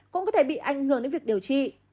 cũng có thể bị ảnh hưởng đến việc điều trị